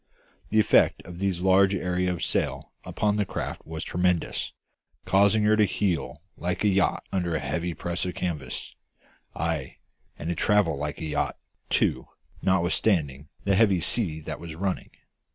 The effect of these large areas of sail upon the craft was tremendous, causing her to heel like a yacht under a heavy press of canvas; ay, and to travel like a yacht, too, notwithstanding the heavy sea that was running.